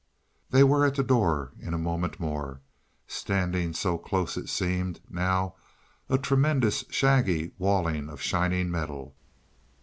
They were at the door in a moment more. Standing so close it seemed, now, a tremendous shaggy walling of shining metal.